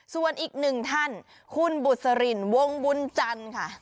ส่วนอีกหนึ่งท่านคุณบุษรินวงบุญจันทร์ค่ะ